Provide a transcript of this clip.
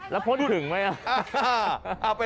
แล้วพดถึงไหมอ่ะ